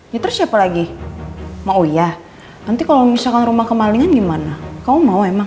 ya terus siapa lagi ma'uyah nanti kalau misalkan rumah kemalingan gimana kamu mau emang